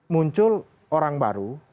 muncul orang baru